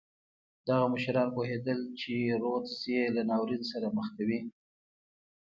دغه مشران پوهېدل چې رودز یې له ناورین سره مخ کوي.